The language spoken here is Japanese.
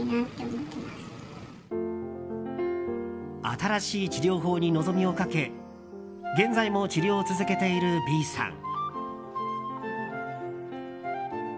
新しい治療法に望みをかけ現在も治療を続けている、Ｂさん。